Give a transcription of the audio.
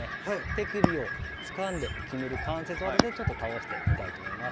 手首をつかんで決める関節技でちょっと倒してみたいと思います。